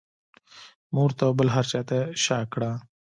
مور ته او بل هر چا ته شا کړه.